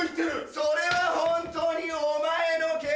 それは本当にお前の毛？